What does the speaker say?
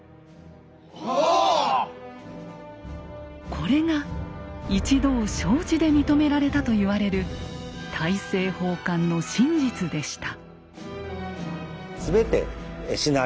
これが一同承知で認められたと言われる大政奉還の真実でした。